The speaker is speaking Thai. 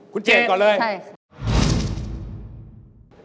คุณเจกก่อนเลยใช่ค่ะคุณเจกก่อนเลย